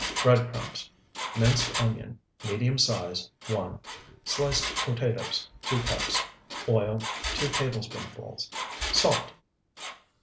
Bread crumbs. Minced onion, medium size, 1. Sliced potatoes, 2 cups. Oil, 2 tablespoonfuls. Salt.